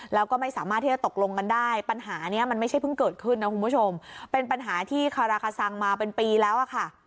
แล้วก็ไม่สามารถที่จะตกลงกันได้ปัญหานี้มันไม่ใช่เพิ่งเกิดขึ้นนะคุณผู้ชมเป็นปัญหาที่คาราคาซังมาเป็นปีแล้วอะค่ะ